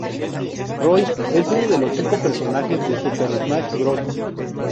Roy es uno de los cinco personajes de Super Smash Bros.